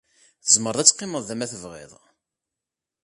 Tzemreḍ ad teqqimeḍ da ma tebɣiḍ.